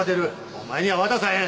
お前には渡さへん！